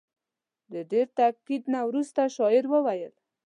د ډېر تاکید نه وروسته شاعر وویل.